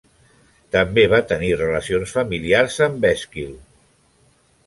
També va tenir relacions familiars amb Èsquil.